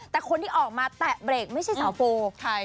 แต่คนที่ออกมาแตะเบรกไม่ใช่สาวโฟ